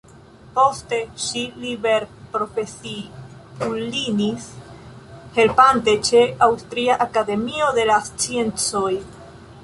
Poste ŝi liberprofesiulinis helpante ĉe "Aŭstria akademio de la sciencoj".